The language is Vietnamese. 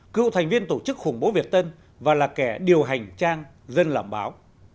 cựu thành viên tổ chức khủng bố việt tân và là kẻ điều hành trang dân làm báo